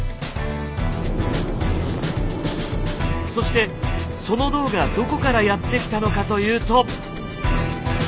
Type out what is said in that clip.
そしてその銅がどこからやって来たのかというと。